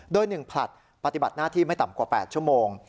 โดย๑ผลัดปฏิบัติหน้าที่ไม่ต่ำกว่า๘ชั่วโมง